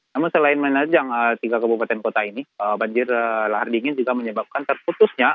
namun selain menerjang tiga kabupaten kota ini banjir lahar dingin juga menyebabkan terputusnya